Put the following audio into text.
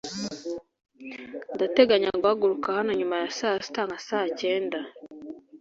Ndateganya guhaguruka hano nyuma ya saa sita nka saa kenda